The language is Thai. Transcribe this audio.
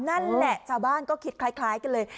นั่นแหละชาวบ้านก็คิดคล้ายกันเลย